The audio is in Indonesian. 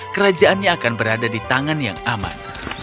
kerajaannya akan berada di tangan yang aman